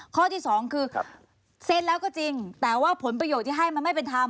ข้อที่สองคือเซ็นแล้วก็จริงแต่ว่าผลประโยชน์ที่ให้มันไม่เป็นธรรม